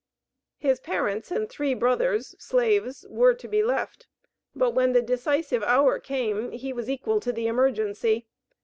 His parents and three brothers, slaves, were to be left; but when the decisive hour came he was equal to the emergency.